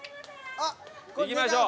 行きましょう。